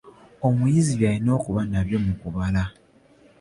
Omuyizi byalina okuba nabyo mu kubala .